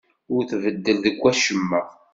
Ur tbeddel deg wacemma.